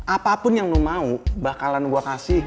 apapun yang lo mau bakalan gue kasih